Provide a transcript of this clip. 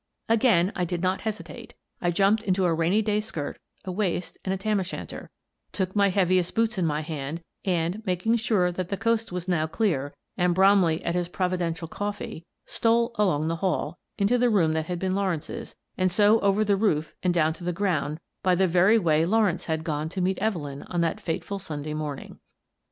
Again I did not hesitate. I jumped into a rainy day skirt, a waist, and tam o' shanter; took my heaviest boots in my hand, and — making sure that the coast was now clear and Bromley at his provi dential coffee — stole along the hall, into the room that had been Lawrence's, and so over the roof and down to the ground by the very way Lawrence had gone to meet Evelyn on that fatal Sunday morning.